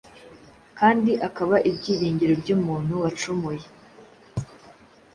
kandi akaba ibyiringiro by’umuntu wacumuye.